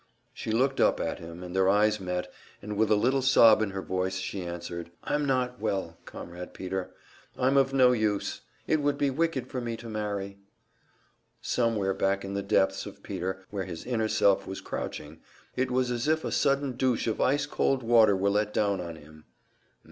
She looked up at him, and their eyes met, and with a little sob in her voice she answered, "I'm not well, Comrade Peter. I'm of no use; it would be wicked for me to marry." Somewhere back in the depths of Peter, where his inner self was crouching, it was as if a sudden douche of ice cold water were let down on him.